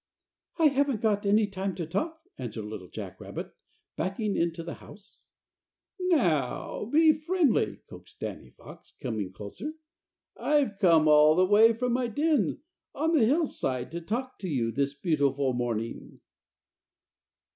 "I haven't got any time to talk," answered Little Jack Rabbit, backing into the house. "Now be friendly," coaxed Danny Fox, coming closer. "I've come all the way from my den on the hillside to talk to you this beautiful morning."